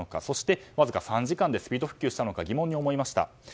そしてわずか３時間でスピード復旧したのか疑問に思いました。